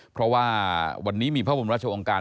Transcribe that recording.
เพราะว่าวันนี้มีพระบรมราชองค์การ